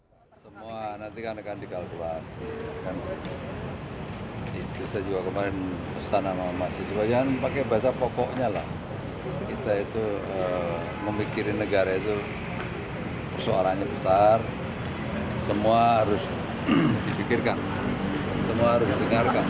pemikiran pakai bahasa pokoknya lah kita itu memikirin negara itu suaranya besar semua harus dipikirkan semua harus dendengarkan